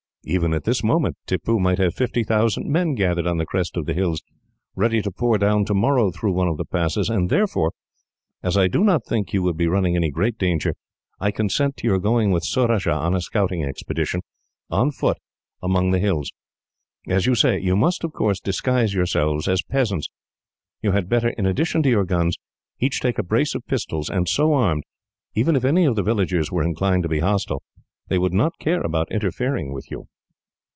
Even at this moment, Tippoo may have fifty thousand men gathered on the crest of the hills, ready to pour down tomorrow through one of the passes; and therefore, as I do not think you would be running any great danger, I consent to your going with Surajah on a scouting expedition, on foot, among the hills. As you say, you must, of course, disguise yourselves as peasants. You had better, in addition to your guns, each take a brace of pistols, and so armed, even if any of the villagers were inclined to be hostile, they would not care about interfering with you."